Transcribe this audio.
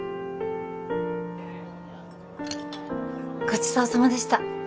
ごちそうさまでした